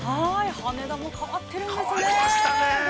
◆羽田も変わっているんですね。